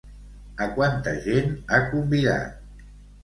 A quanta gent ha convidat?